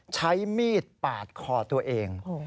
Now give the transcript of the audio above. ใช้มีดปาดคอตัวเอง